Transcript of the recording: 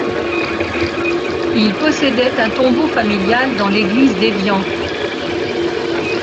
Ils possédaient un tombeau familial dans l'église d'Evian.